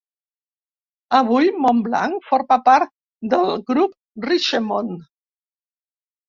Avui, Montblanc forma part del grup Richemont.